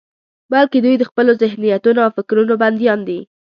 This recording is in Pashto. بلکې دوی د خپلو ذهنيتونو او فکرونو بندیان دي.